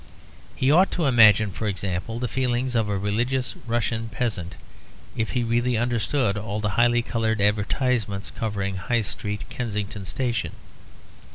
He ought to imagine, for example, the feelings of a religious Russian peasant if he really understood all the highly coloured advertisements covering High Street Kensington Station.